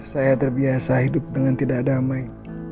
saya terbiasa hidup dengan tidak damai